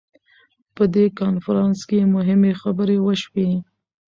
په دې کنفرانس کې مهمې خبرې وشوې.